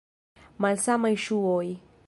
Malsamaj ŝuoj.